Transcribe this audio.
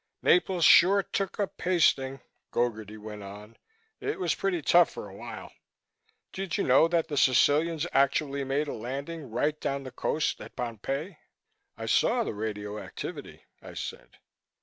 "Naples sure took a pasting," Gogarty went on. "It was pretty tough for a while. Did you know that the Sicilians actually made a landing right down the coast at Pompeii?" "I saw the radioactivity," I said.